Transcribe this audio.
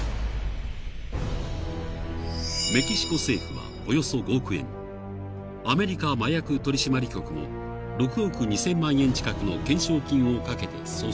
［メキシコ政府はおよそ５億円アメリカ麻薬取締局も６億２，０００万円近くの懸賞金をかけて捜索］